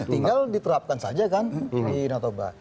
tinggal diterapkan saja kan di danau toba